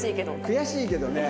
悔しいけどね。